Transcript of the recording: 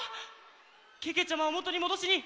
けけちゃまをもとにもどしにいってきます！